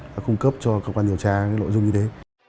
nó cung cấp cho cơ quan điều tra cái nội dung như thế